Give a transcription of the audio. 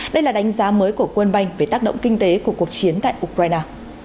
đây là đánh giá mới của quân banh về tác động kinh tế của cuộc chiến tại ukraine